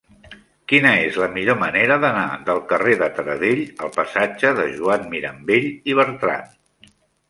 Quina és la millor manera d'anar del carrer de Taradell al passatge de Joan Mirambell i Bertran?